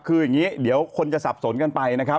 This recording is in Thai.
คืออย่างนี้เดี๋ยวคนจะสับสนกันไปนะครับ